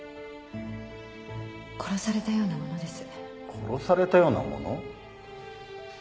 殺されたようなもの？